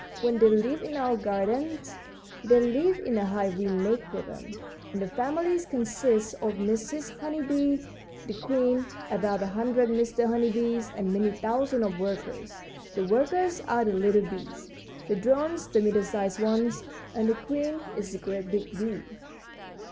When they live in our gardens they live in a hive we make for them, and the families consist of Mrs. Honey Bee, the queen, about a hundred Mr. Honey Bees, and many thousands of workers. The workers are the little bees, the drones the middle sized ones, and the queen is the great big bee.